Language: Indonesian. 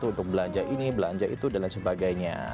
untuk belanja ini belanja itu dan lain sebagainya